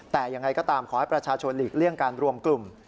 แต่ยังไงก็ตามขอให้ประชาชนหลีกเลี่ยงการรวมกลุ่ม